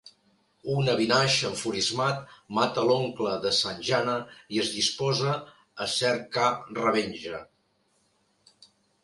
Un Avinash enfurismat mata l'oncle de Sanjana i es disposa a cerca revenja.